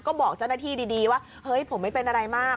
ก็บอกเจ้าหน้าที่ดีว่าเฮ้ยผมไม่เป็นอะไรมาก